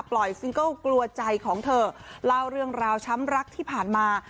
ซิงเกิลกลัวใจของเธอเล่าเรื่องราวช้ำรักที่ผ่านมา